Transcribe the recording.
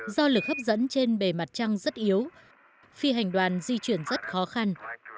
do lực hấp dẫn trên bề mặt trăng rất yếu phi hành đoàn di chuyển rất khó khăn